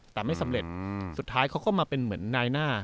แต่ไม่สำเร็จสุดท้ายเขาก็มาเป็นเหมือนนายหน้า